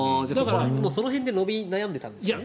その辺で伸び悩んでいたんですね。